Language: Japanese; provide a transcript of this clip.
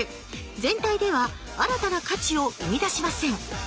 全体では新たな価値をうみだしません。